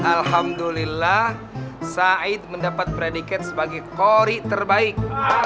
alhamdulillah sait mendapat prediket sebagai kori terbaik